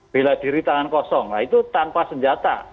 bela diri tangan kosong nah itu tanpa senjata